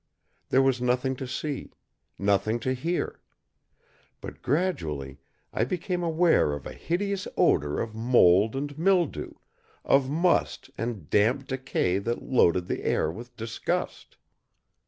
There was nothing to see; nothing to hear. But gradually I became aware of a hideous odor of mould and mildew, of must and damp decay that loaded the air with disgust.